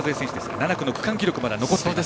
７区の区間記録がまだ残っています。